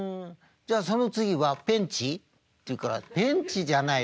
じゃあその次はペンチ？」って言うから「ペンチじゃない。